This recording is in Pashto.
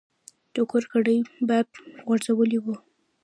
د کور کړکۍ باد غورځولې وه.